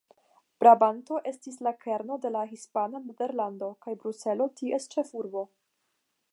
Brabanto estis la kerno de la hispana Nederlando, kaj Bruselo ties ĉefurbo.